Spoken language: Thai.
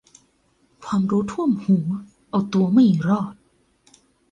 ความรู้ท่วมหัวเอาตัวไม่รอด